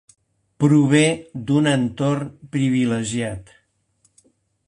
Prové d'un entorn privilegiat.